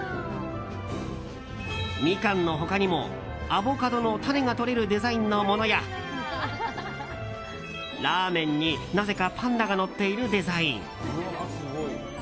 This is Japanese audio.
ミカンの他にもアボカドの種がとれるデザインのものやラーメンになぜかパンダが乗っているデザイン。